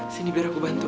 sini biar aku bantu